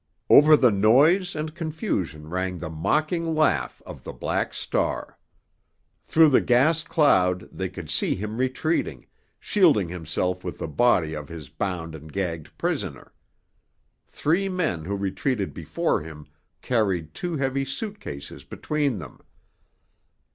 Over the noise and confusion rang the mocking laugh of the Black Star. Through the gas cloud they could see him retreating, shielding himself with the body of his bound and gagged prisoner. Three men who retreated before him carried two heavy suit cases between them.